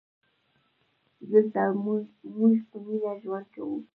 دلته مونږ په مینه ژوند کوو